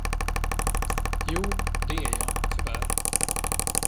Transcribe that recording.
Jo, det är jag, tyvärr.